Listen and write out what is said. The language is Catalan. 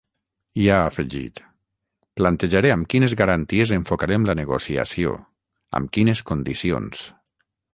I ha afegit: Plantejaré amb quines garanties enfocarem la negociació, amb quines condicions.